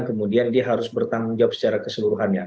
kemudian dia harus bertanggung jawab secara keseluruhannya